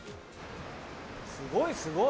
すごいすごい！